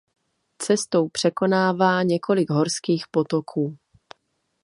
Cestou překonává několik horských potoků.